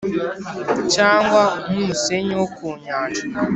cyangwa nk`umusenyi wo ku nyanja.